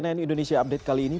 cnn indonesia update kali ini